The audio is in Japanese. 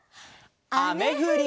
「あめふり」。